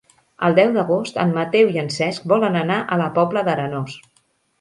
El deu d'agost en Mateu i en Cesc volen anar a la Pobla d'Arenós.